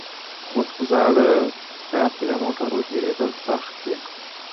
اوس په زاړه ښار کې د موټرو تېرېدل سخت دي.